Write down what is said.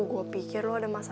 gue pikir lo ada masa